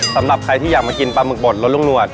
สำหรับใครที่อยากมากินปลาหมึกบดรสนุ่มนวด